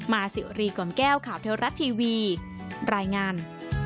สิวรีก่อนแก้วข่าวเทวรัฐทีวีรายงาน